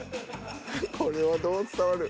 これはどう伝わる？